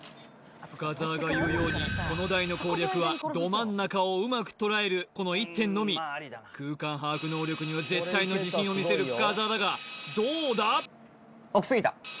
深澤が言うようにこの台の攻略はど真ん中をうまく捉えるこの一点のみ空間把握能力には絶対の自信を見せる深澤だがどうだ？